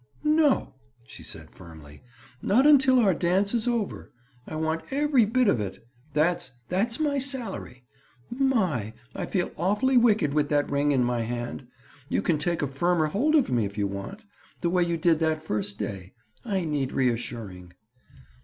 "No," she said firmly. "Not until our dance is over. I want every bit of it. That's—that's my salary. My! I feel awful wicked with that ring in my hand. You can take a firmer hold of me if you want—the way you did that first day! I need reassuring!"